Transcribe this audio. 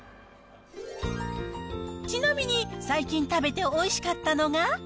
ちなみに、最近食べておいしかったのが。